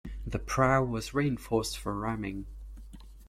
The prow was reinforced for ramming.